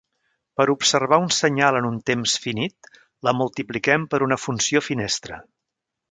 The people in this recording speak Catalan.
Per observar un senyal en un temps finit, la multipliquem per una funció finestra.